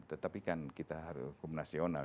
tetapi kan hukum nasional